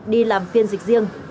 đi làm phiên dịch riêng